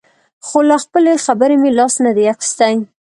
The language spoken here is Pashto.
خو له خپلې خبرې مې لاس نه دی اخیستی.